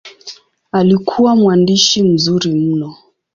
Alikuwa mwandishi mzuri mno.